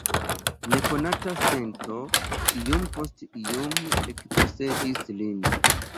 Nekonata sento iom post iom ekposedis lin.